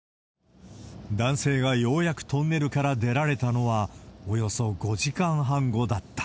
男性がようやくトンネルから出られたのは、およそ５時間半後だった。